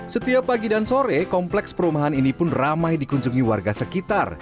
setiap pagi dan sore kompleks perumahan ini pun ramai dikunjungi warga sekitar